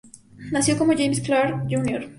Nació como James Clark Jr.